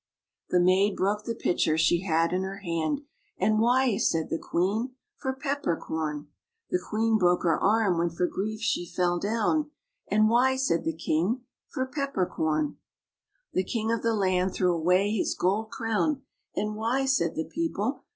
The maid broke the pitcher she had in her hand ; ^^And why?" said the queen. For Pepper Corn! The queen broke her arm, when for grief she fell down ; And why?" said the king. For Pepper Corn! The king of the land threw away his gold crown ; ^^And why?" said the people.